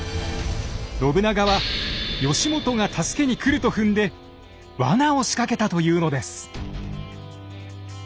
信長は義元が助けに来ると踏んでワナを仕掛けたというのです。